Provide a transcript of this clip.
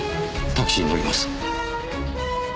タクシーに乗ります。